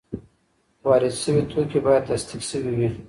وارد شوي توکي باید تصدیق شوي وي.